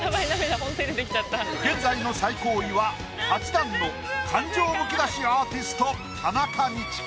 現在の最高位は８段の感情むき出しアーティスト田中道子。